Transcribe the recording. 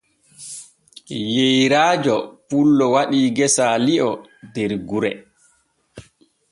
Yeyraajo pullo waɗii gesaa li'o der gure.